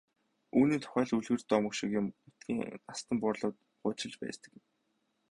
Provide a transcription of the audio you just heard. Үүний тухай л үлгэр домог шиг юм нутгийн настан буурлууд хуучилдаг байсан юм.